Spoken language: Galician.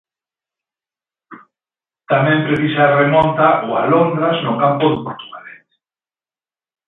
Tamén precisa a remonta o Alondras no campo do Portugalete.